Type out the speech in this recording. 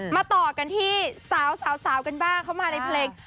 มาต่อกันที่สาวกันบ้างเข้ามาในเพลง